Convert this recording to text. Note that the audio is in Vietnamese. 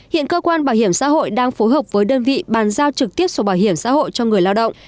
hiện cơ quan bảo hiểm xã hội đang phối hợp với đơn vị bàn giao trực tiếp số bảo hiểm xã hội cho người lao động